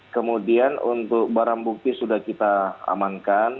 kemudian untuk barang bukti sudah kita amankan